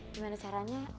gimana caranya aduh